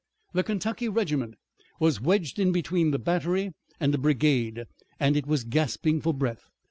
The Kentucky regiment was wedged in between the battery and a brigade, and it was gasping for breath.